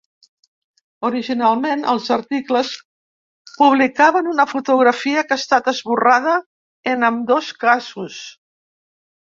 Originalment, els articles publicaven una fotografia que ha estat esborrada en ambdós casos.